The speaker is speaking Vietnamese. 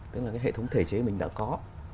tức là cái hệ thống thể chế mình đã có